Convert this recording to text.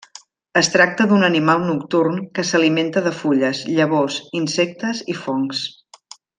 Es tracta d'un animal nocturn que s'alimenta de fulles, llavors, insectes i fongs.